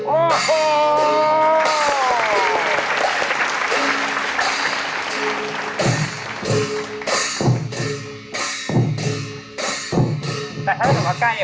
โอ้โห